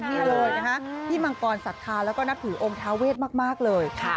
นี่เลยนะคะพี่มังกรศรัทธาแล้วก็นับถือองค์ทาเวทมากเลย